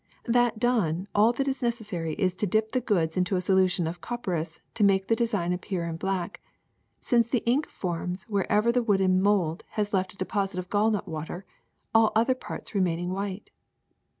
^^That done, all that is necessary is to dip the goods into a solution of copperas to make the design appear in black, since the ink forms wherever the wooden mold has left a deposit of gallnut water, all other parts remaining white.''